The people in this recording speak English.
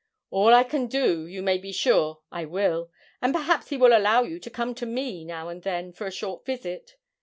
'All I can do, you may be sure I will, and perhaps he will allow you to come to me, now and then, for a short visit.